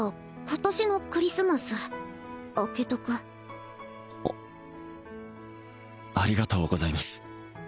今年のクリスマス空けとくありがとうございます